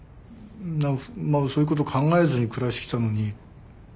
そういうこと考えずに暮らしてきたのに。